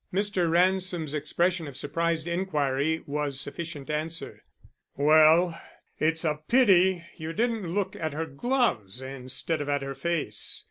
Mr. Ransom's expression of surprised inquiry was sufficient answer. "Well, it's a pity you didn't look at her gloves instead of at her face.